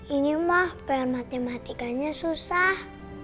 ini mah pengen matematikanya susah